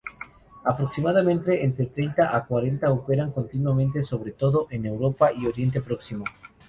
Aproximadamente entre treinta a cuarenta operan continuamente, sobre todo en Europa y Oriente Próximo.